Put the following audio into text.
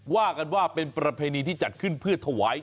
ว่ากันว่าเป็นประเพณีที่จัดขึ้นเพื่อถวาย